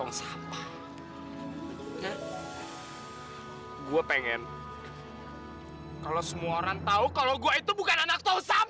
gimana kalau adrian itu dukungan funet